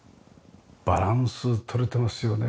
バランス取れてますよね。